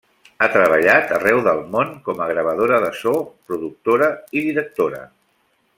Ha treballat arreu del món com a gravadora de so, productora i directora.